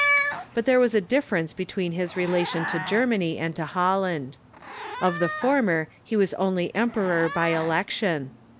But there was a diflFerence between his rela tion to Germany and to Holland. Of the former he Avas only emperor by election.